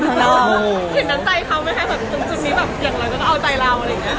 วันหลังก็ไม่ตลาด